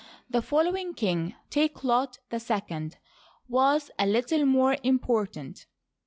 The following king, Takelot Ily was a little more important.